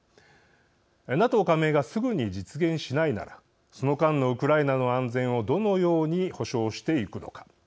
ＮＡＴＯ加盟がすぐに実現しないならその間のウクライナの安全をどのように保障していくのか。